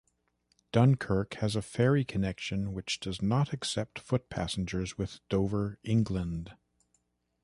Dunkirk has a ferry connection which does not accept foot passengers with Dover, England.